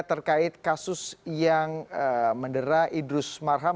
terkait kasus yang mendera idrus marham